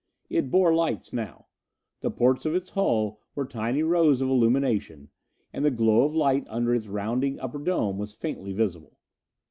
It bore lights now. The ports of its hull were tiny rows of illumination, and the glow of light under its rounding upper dome was faintly visible.